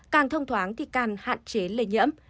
càng thông thoáng thì càng hạn chế lây nhiễm